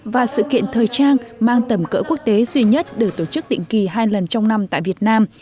và sự kiện thời trang mang tầm cỡ quốc tế duy nhất được tổ chức định kỳ hai lần trong năm tại việt nam